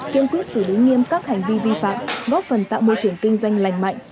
kiên quyết xử lý nghiêm các hành vi vi phạm góp phần tạo môi trường kinh doanh lành mạnh